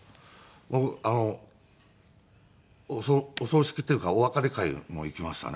僕お葬式っていうかお別れ会も行きましたね